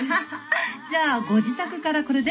じゃあご自宅からこれで？